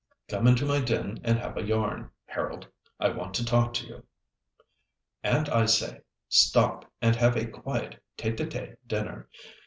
Come into my den and have a yarn, Harold. I want to talk to you. And, I say, stop and have a quiet tête à tête dinner.